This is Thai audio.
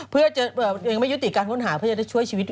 เพื่อจะยังไม่ยุติการค้นหาเพื่อจะช่วยชีวิต